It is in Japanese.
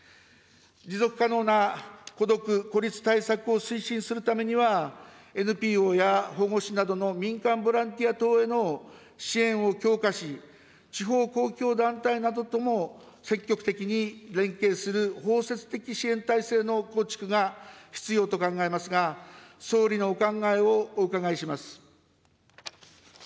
持続可能な孤独・孤立対策を推進するためには、ＮＰＯや保護司などの民間ボランティア等への支援を強化し、地方公共団体などとも積極的に連携する包摂的支援体制の構築が必要と考えますが、総理のお考えをお伺いします。